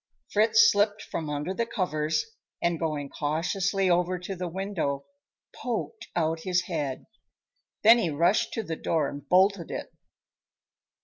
Fritz slipped from under the covers, and going cautiously over to the window, poked out his head. Then he rushed to the door and bolted it.